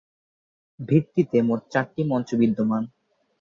ভিত্তিতে মোট চারটি মঞ্চ বিদ্যমান।